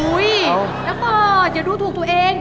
อุ้ยนับเบิร์ดอย่าดูถูกตัวเอง